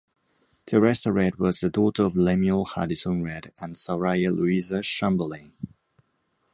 Teressa Redd was the daughter of Lemuel Hardison Redd and Sariah Louisa Chamberlain.